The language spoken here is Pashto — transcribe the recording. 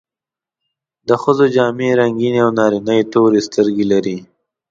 د ښځو جامې رنګینې او نارینه یې تورې سترګې لري.